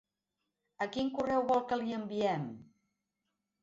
A quin correu vol que li enviem?